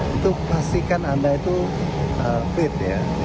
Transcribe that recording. untuk pastikan anda fit